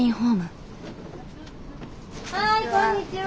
はいこんにちは。